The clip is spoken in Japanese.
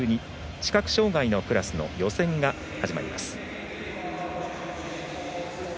視覚障がいのクラスの予選が始まります。